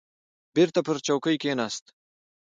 بېرته پر چوکۍ کښېناست.